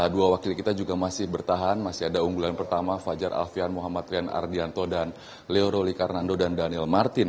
dua wakil kita juga masih bertahan masih ada unggulan pertama fajar alfian muhammad rian ardianto dan leo roli karnando dan daniel martin